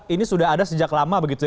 ini sudah ada sejak lama begitu ya